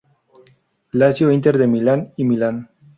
Lazio, Inter de Milán y Milan.